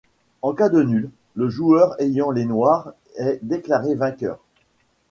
En cas de nulle, le joueur ayant les Noirs est déclaré vainqueur.